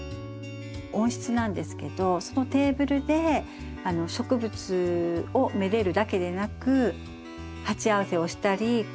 温室なんですけどそのテーブルで植物をめでるだけでなく鉢合わせをしたりお茶を飲んだり。